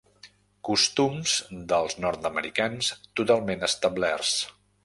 Costums dels nord-americans totalment establerts.